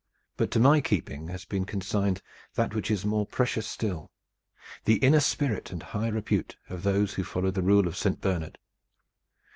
But to my keeping has been consigned that which is more precious still, the inner spirit and high repute of those who follow the rule of Saint Bernard.